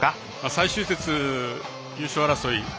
最終節、優勝争い